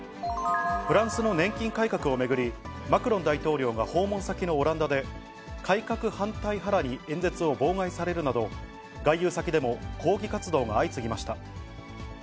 フランスの年金改革を巡り、マクロン大統領が訪問先のオランダで、改革反対派らに演説を妨害されるなど、外遊先でも抗議活動が相次ぎました。